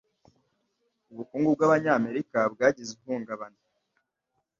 Ubukungu bw’Abanyamerika bwagize ihungabana.